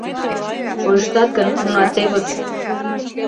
Шойыштат гын, уна тевыс...